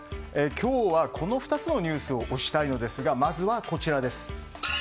今日はこの２つのニュースを推したいのですがまずはこちらです。